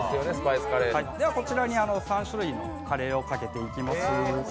こちらに３種類のカレーをかけていきます。